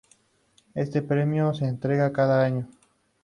Este premio se entrega cada año.